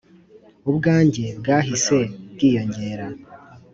ubwange bwahise bwiyongera.